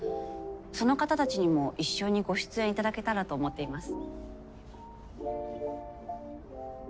その方たちにも一緒にご出演頂けたらと思っています。